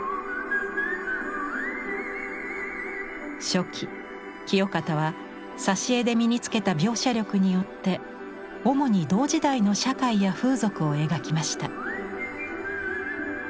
初期清方は挿絵で身につけた描写力によって主に同時代の社会や風俗を描きました。